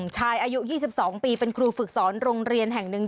ชายอายุ๒๒ปีเป็นครูฝึกสอนโรงเรียนแห่งหนึ่ง